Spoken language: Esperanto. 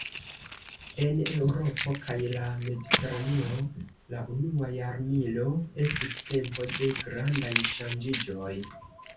En Eŭropo kaj la Mediteraneo, la unua jarmilo estis tempo de grandaj ŝanĝiĝoj.